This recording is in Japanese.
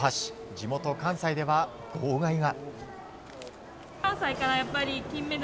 地元・関西では号外が。